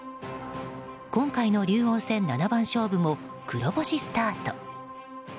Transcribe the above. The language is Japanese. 今回の竜王戦七番勝負も黒星スタート。